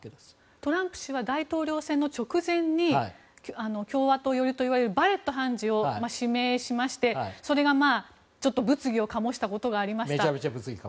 トランプ氏は大統領選直前に共和党寄りといわれるバレット判事を指名しましてそれが物議を醸したことがありました。